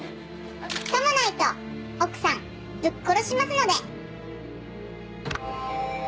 さもないと奥さんぶっ殺しますので。